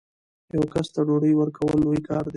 یو کس ته ډوډۍ ورکول لوی کار دی.